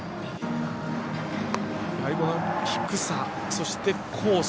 この低さ、そしてコース。